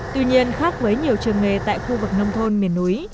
tuy nhiên khác với nhiều trường nghề tại khu vực nông thôn miền núi